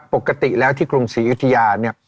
ปกติแล้วที่กรุงศรีอยุธยาเนี่ย